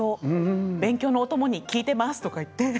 勉強のお供に聞いていますとか言って。